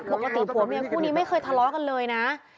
ปกติผัวเมียคู่นี้ไม่เคยทะเลาะกันเลยนะ